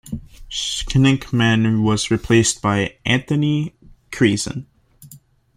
Schenkman was replaced by Anthony Krizan.